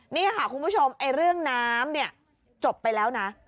นี่ค่ะคุณผู้ชมเรื่องน้ำเนี่ยจบไปแล้วนะ